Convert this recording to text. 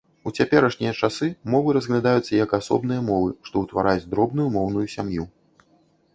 У цяперашнія часы мовы разглядаюцца як асобныя мовы, што ўтвараюць дробную моўную сям'ю.